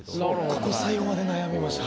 ここ最後まで悩みました。